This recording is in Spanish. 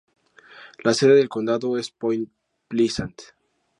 La sede del condado es Point Pleasant.